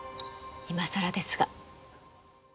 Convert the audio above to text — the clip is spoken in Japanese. いまさらですが。